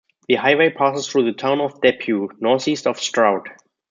The highway passes through the town of Depew northeast of Stroud.